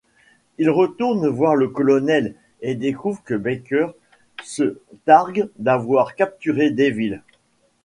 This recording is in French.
Il retourne voir le colonel et découvre que Baker se targue d'avoir capturé Devil.